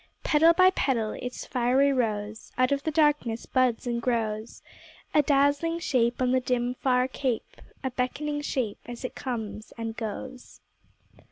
Petal by petal its fiery rose Out of the darkness buds and grows; A dazzling shape on the dim, far cape, A beckoning shape as it comes and goes.